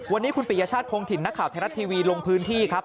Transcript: วันนี้คุณปิยชาติคงถิ่นนักข่าวไทยรัฐทีวีลงพื้นที่ครับ